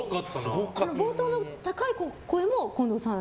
冒頭の高い声も近藤さん。